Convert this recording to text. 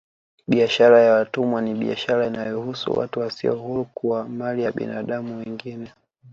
Biashara ya watumwa ni biashara inayohusu watu wasio huru kuwa mali ya binadamu wengine